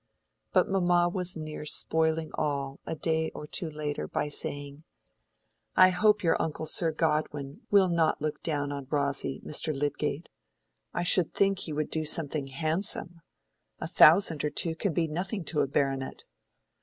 But mamma was near spoiling all, a day or two later, by saying— "I hope your uncle Sir Godwin will not look down on Rosy, Mr. Lydgate. I should think he would do something handsome. A thousand or two can be nothing to a baronet."